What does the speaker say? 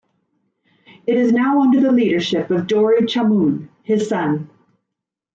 It is now under the leadership of Dory Chamoun, his son.